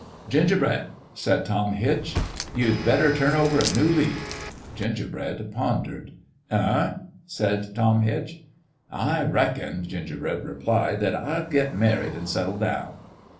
" Gingerbread," said Tom Hitch, "you better turn over a new leaf." Gingerbread pondered. " Eh ?" said Tom Hitch. "I reckon," Gingerbread replied, "that I'll get married an' settle down."